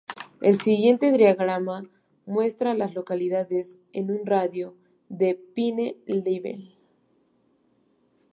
El siguiente diagrama muestra a las localidades en un radio de de Pine Level.